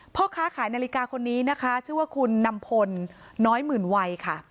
พ่อค้าขายนาฬิกาคนนี้นะคะชื่อว่าคุณนำพลน้อยหมื่นวัยค่ะ